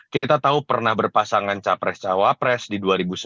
kita tahu pernah berpasangan capres cawapres di dua ribu sembilan belas